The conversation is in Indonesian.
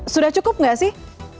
sudah cukup gak sih